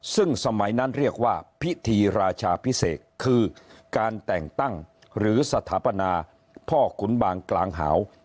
ซึ่งสมัยนั้นเรียกว่าพิธีราชาพิเศษคือการแต่งตั้งหรือสถาปนาพ่อขุนบางกลางหาว